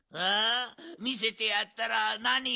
みせてやったらなにくれる？